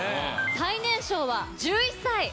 最年少は１１歳！